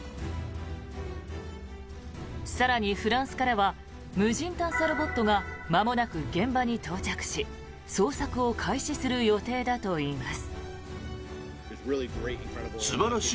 更に、フランスからは無人探査ロボットがまもなく現場に到着し捜索を開始する予定だといいます。